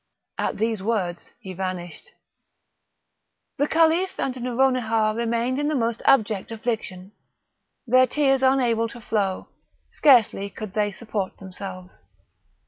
At these words he vanished. The Caliph and Nouronihar remained in the most abject affliction; their tears unable to flow, scarcely could they support themselves.